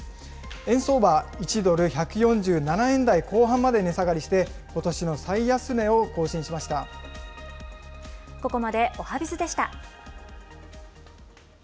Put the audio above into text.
円相場、１ドル１４７円台後半まで値下がりして、ことしの最安値を更新しここまでおはＢｉｚでした。